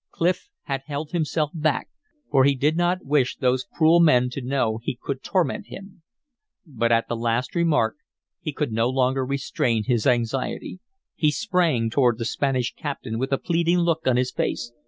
Clif had held himself back, for he did not wish those cruel men to know he could torment him. But at that last remark he could no longer restrain his anxiety. He sprang toward the Spanish captain with a pleading look on his face.